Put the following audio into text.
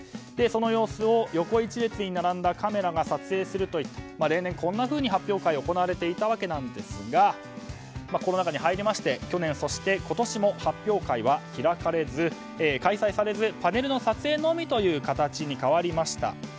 その様子を横一列に並んだカメラが撮影するといった例年、こんなふうに発表会が行われていたんですがコロナ禍に入りまして去年、そして今年も発表会は開催されずパネルの撮影のみという形に変わりました。